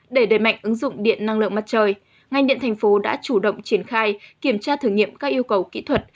để đẩy mạnh ứng dụng điện năng lượng mặt trời ngành điện thành phố đã chủ động triển khai kiểm tra thử nghiệm các yêu cầu kỹ thuật